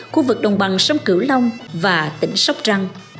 khu vực đồng bằng sông cửu long và tỉnh sóc trăng